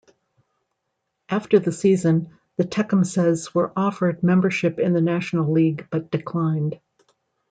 After the season, the Tecumsehs were offered membership in the National League, but declined.